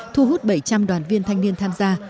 thu hút bảy trăm linh đoàn viên thanh niên tham gia